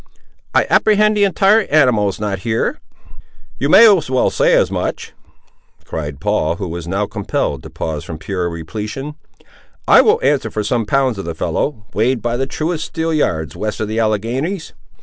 "I apprehend the entire animal is not here?" "You may well say as much," cried Paul, who was now compelled to pause from pure repletion; "I will answer for some pounds of the fellow, weighed by the truest steel yards west of the Alleghanies.